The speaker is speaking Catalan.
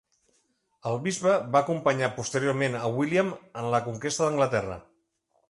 El bisbe va acompanyar posteriorment a William en la conquesta d'Anglaterra.